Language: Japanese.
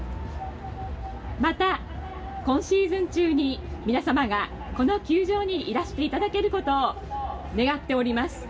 また今シーズン中に皆様がこの球場にいらしていただけることを願っております。